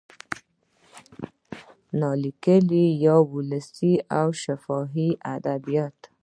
نا لیکلي یا ولسي او شفاهي ادبیات